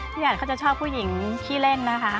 อัดเขาจะชอบผู้หญิงขี้เล่นนะคะ